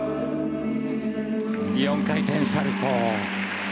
４回転サルコウ。